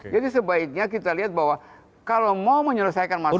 jadi sebaiknya kita lihat bahwa kalau mau menyelesaikan masalah ini